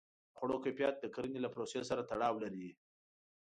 د خوړو کیفیت د کرنې له پروسې سره تړاو لري.